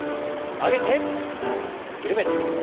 曲げて緩めて。